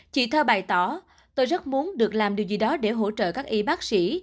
chị thơ bày tỏ tôi rất muốn được làm điều gì đó để hỗ trợ các y bác sĩ